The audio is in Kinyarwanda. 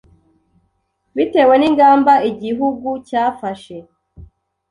bitewe n'ingamba igihugu cyafashe